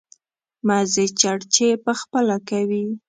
مزې چړچې په خپله کوي.